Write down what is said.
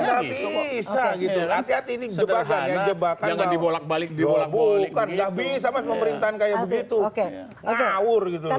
gitu nanti nanti ini juga ada yang dibolak balik dibolak balik bisa pemerintahan kayak begitu oke